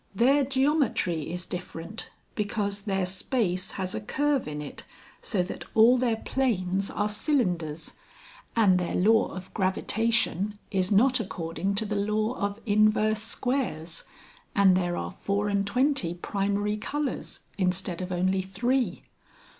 Their geometry is different because their space has a curve in it so that all their planes are cylinders; and their law of Gravitation is not according to the law of inverse squares, and there are four and twenty primary colours instead of only three.